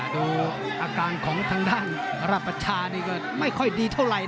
ดูอาการของทางด้านรับประชานี่ก็ไม่ค่อยดีเท่าไหร่